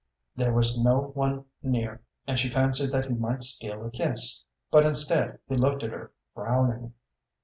There was no one near, and she fancied that he might steal a kiss. But instead he looked at her, frowning.